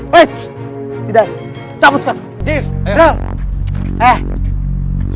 wajh tidak cabut sekarang